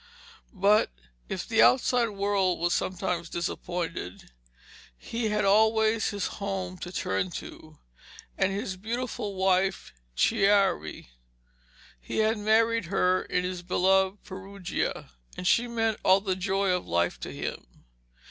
But if the outside world was sometimes disappointing, he had always his home to turn to, and his beautiful wife Chiare. He had married her in his beloved Perugia, and she meant all the joy of life to him.